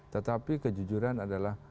tetapi kejujuran adalah